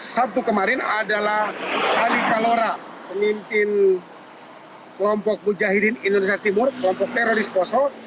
sabtu kemarin adalah ali kalora pemimpin kelompok mujahidin indonesia timur kelompok teroris poso